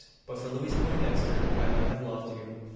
But for Louise Poindexter, I might have loved you!"